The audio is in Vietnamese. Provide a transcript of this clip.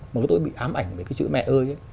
mà tôi cũng bị ám ảnh về cái chữ mẹ ơi